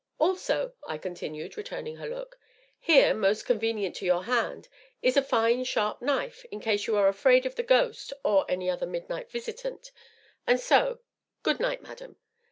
"Also," I continued, returning her look, "here, most convenient to your hand, is a fine sharp knife, in case you are afraid of the ghost or any other midnight visitant and so good night, madam!"